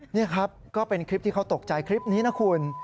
นี่ครับก็เป็นคลิปที่เขาตกใจคลิปนี้นะคุณ